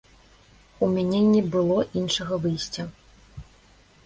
У мяне не было іншага выйсця.